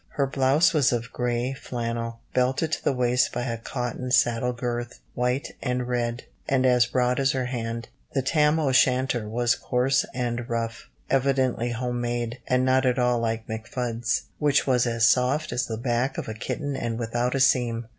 "Her blouse was of grey flannel, belted to the waist by a cotton saddle girth, white and red, and as broad as her hand. The tam o shanter was coarse and rough, evidently home made, and not at all like McFudd's, which was as soft as the back of a kitten and without a seam."